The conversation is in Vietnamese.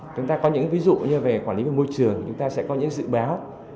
chúng ta có những ví dụ như về quản lý về môi trường chúng ta sẽ có những dự báo